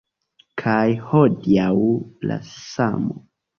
Kaj hodiaŭ… la samo.